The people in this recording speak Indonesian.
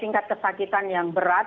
meningkat kesakitan yang berat